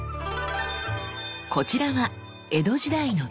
こちらは江戸時代の鐔。